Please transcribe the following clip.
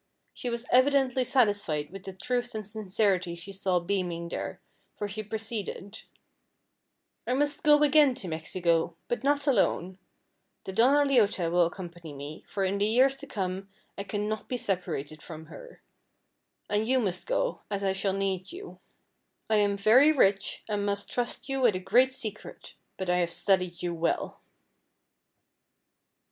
She was evidently satisfied with the truth and sincerity she saw beaming there, for she proceeded: "I must go again to Mexico, but not alone. The Donna Leota will accompany me, for in the years to come I can not be separated from her. And you must go, as I shall need you. I am very rich, and must trust you with a great secret; but I have studied you well."